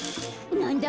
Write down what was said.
なんだ？